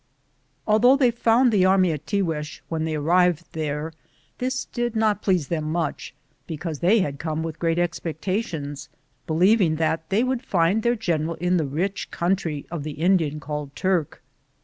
am Google THE JOURNEY OP CORONADO Although they found the army at Tiguex when they arrived there, this did not please them much, because they had come with great expectations, believing that they would find their general in the rich country of the Indian called Turk.